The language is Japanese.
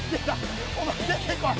お前出てこい！